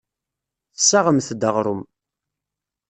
Tessaɣemt-d aɣrum.